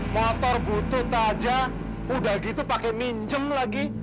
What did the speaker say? motor butut aja udah gitu pakai minjem lagi